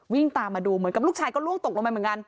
ตามมาดูเหมือนกับลูกชายก็ล่วงตกลงไปเหมือนกัน